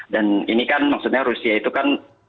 dan ini kan maksudnya rusia itu kan